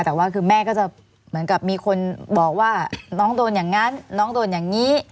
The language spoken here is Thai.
แต่ว่าคือแม่ก็จะเหมือนกับมีคนบอกว่าน้องโดนอย่างนั้นน้องโดนอย่างนี้